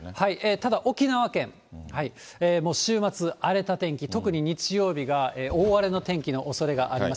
ただ沖縄県、もう週末、荒れた天気、特に日曜日が大荒れの天気のおそれがあります。